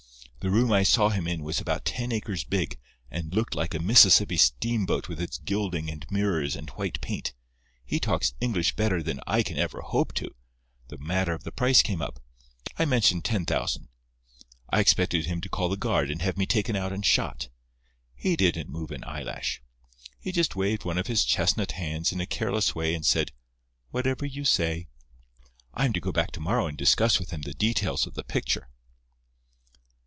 The room I saw him in was about ten acres big, and looked like a Mississippi steamboat with its gilding and mirrors and white paint. He talks English better than I can ever hope to. The matter of the price came up. I mentioned ten thousand. I expected him to call the guard and have me taken out and shot. He didn't move an eyelash. He just waved one of his chestnut hands in a careless way, and said, 'Whatever you say.' I am to go back to morrow and discuss with him the details of the picture."